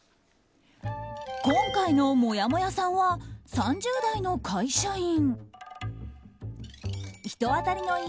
今回のもやもやさんは３０代の会社員。